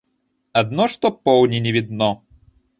Адно што поўні не відно.